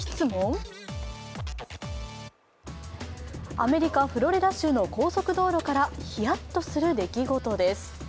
アメリカ・フロリダ州の高速道路からヒヤッとする出来事です。